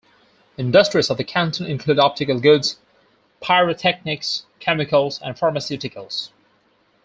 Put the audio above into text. Industries of the canton include optical goods, pyrotechnics, chemicals and pharmaceuticals.